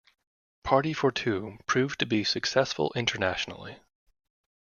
"Party for Two" proved to be successful internationally.